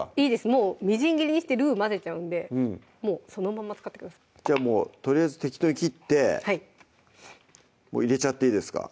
もうみじん切りにしてルウ混ぜちゃうんでもうそのまま使ってくださいじゃあとりあえず適当に切ってもう入れちゃっていいですか